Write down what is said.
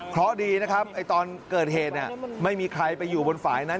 เพราะดีนะครับตอนเกิดเหตุไม่มีใครไปอยู่บนฝ่ายนั้น